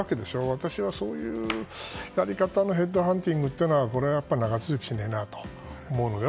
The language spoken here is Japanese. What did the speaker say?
私はそういうやり方のヘッドハンティングというのはこれは長続きしないなと思うので。